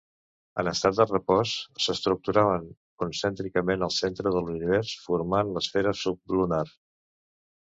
En estat de repòs s'estructuraven concèntricament al centre de l'univers formant l'esfera sublunar.